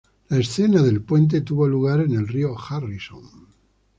La escena del puente tuvo lugar en el río Harrison.